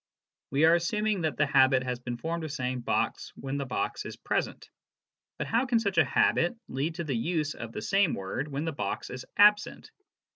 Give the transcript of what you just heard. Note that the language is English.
We are assuming that the habit has been formed of saying " box " when the box is present ; but how can such a habit lead to the use of the same word when the box is absent